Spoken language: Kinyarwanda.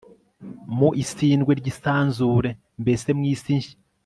mu isindwe ry'isanzure mbese mu isi nshya